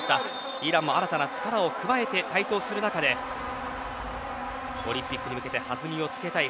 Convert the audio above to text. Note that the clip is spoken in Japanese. イランも新たな力を加えて台頭する中でオリンピックに向けて弾みをつけたい